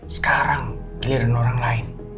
sekarang kelirin orang lain